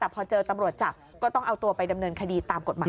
แต่พอเจอตำรวจจับก็ต้องเอาตัวไปดำเนินคดีตามกฎหมาย